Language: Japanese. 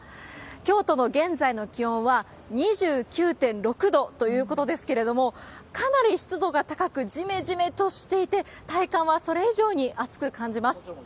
京都の現在の気温は２９．６度ということですけれども、かなり湿度が高く、じめじめとしていて、体感はそれ以上に暑く感じます。